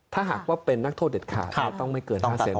ถ้าหากว่าเป็นนักโทษเด็ดขาดต้องไม่เกิน๕๐